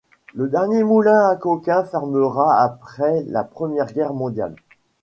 Le dernier moulin à coquins fermera après la Première Guerre mondiale.